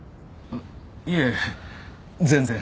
いえ全然。